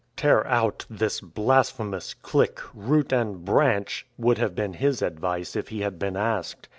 " Tear out this blasphemous clique, root and branch," would have been his advice if he had been asked.